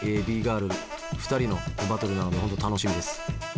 ２人のバトルなので本当楽しみです。